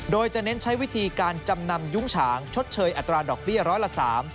โดยจะเน้นใช้วิธีการจำนำยุ้งฉางชดเชยอัตราดอกเบี้ยร้อยละ๓